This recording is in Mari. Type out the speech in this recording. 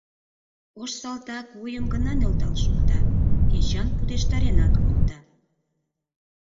Ош салтак вуйым гына нӧлтал шукта, Эчан пудештаренат колта.